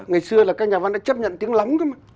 ngày xưa là các nhà văn đã chấp nhận tiếng lắm